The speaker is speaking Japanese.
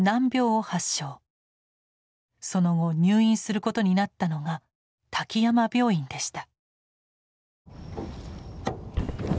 その後入院することになったのが滝山病院でした。